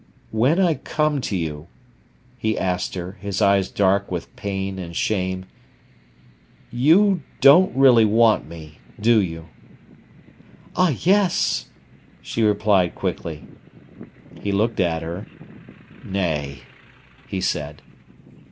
"When I come to you," he asked her, his eyes dark with pain and shame, "you don't really want me, do you?" "Ah, yes!" she replied quickly. He looked at her. "Nay," he said.